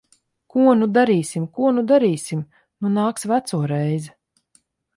Ko nu darīsim? Ko nu darīsim? Nu nāks veco reize.